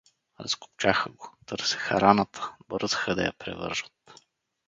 Разкопчаха го, търсеха раната, бързаха да я превържат.